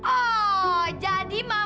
oh jadi mama